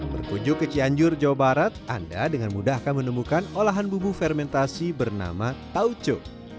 berkunjung ke cianjur jawa barat anda dengan mudah akan menemukan olahan bubu fermentasi bernama tauco